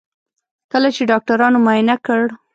کله چې ډاکټرانو معاینه کړ.